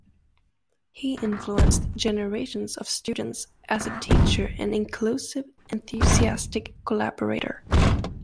He influenced generations of students as a teacher and inclusive, enthusiastic collaborator.